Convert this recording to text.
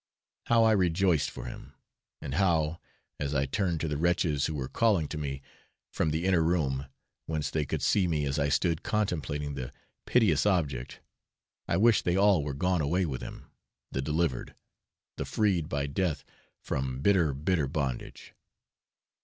How I rejoiced for him and how, as I turned to the wretches who were calling to me from the inner room, whence they could see me as I stood contemplating the piteous object, I wished they all were gone away with him, the delivered, the freed by death from bitter bitter bondage.